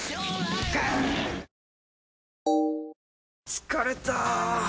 疲れた！